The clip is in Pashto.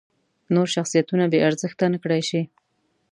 نور شخصیتونه بې ارزښته نکړای شي.